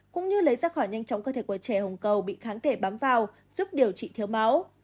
cũng như lấy ra khỏi nhanh chóng cơ thể của trẻ hồng cầu bị kháng thể bám vào giúp điều trị thiếu máu